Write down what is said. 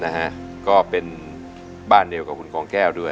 นะฮะก็เป็นบ้านเดียวกับคุณกองแก้วด้วย